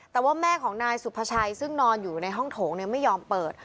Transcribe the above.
แต่ว่าแม่ของนายสุภาชัยซึ่งนอนอยู่ในห้องโถงไม่ยอมเปิด